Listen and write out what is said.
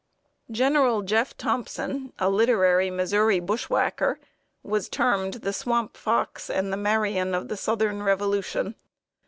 General Jeff. Thompson, a literary Missouri bushwhacker, was termed the "Swamp Fox" and the "Marion of the Southern Revolution."